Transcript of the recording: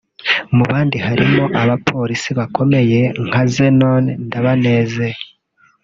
Mu bandi harimo abapolisi bakomeye nka Zenon Ndabaneze